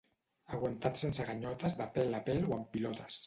aguantat sense ganyotes de pèl a pèl o en pilotes